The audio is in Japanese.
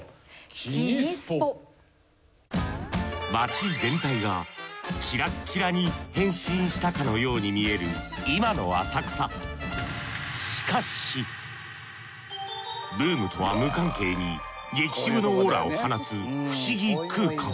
街全体がキラキラに変身したかのように見える今の浅草ブームとは無関係に激渋のオーラを放つ不思議空間。